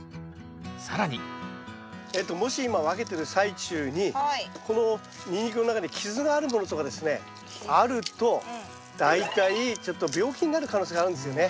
更にもし今分けてる最中にこのニンニクの中に傷があるものとかですねあると大体ちょっと病気になる可能性があるんですよね。